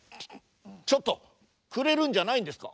ちょっとくれるんじゃないんですか？